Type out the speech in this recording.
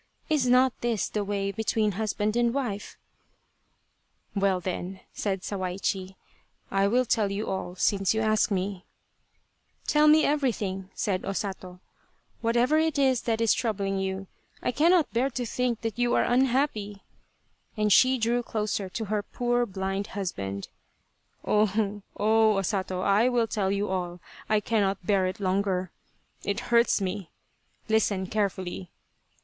Is not this the way between husband and wife ?"" Well, then," said Sawaichi, " I will tell you all since you ask me." " Tell me everything," said O Sato, " whatever it is that is troubling you. I cannot bear to think that you are unhappy," and she drew closer to her poor blind husband. " Oh, oh, O Sato, I will tell you all I cannot bear it longer. It hurts me. Listen carefully